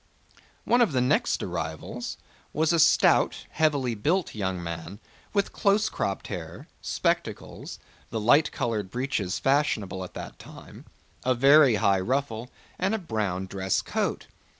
One of the next arrivals was a stout, heavily built young man with close cropped hair, spectacles, the light colored breeches fashionable at that time, a very high ruffle, and a brown dress coat.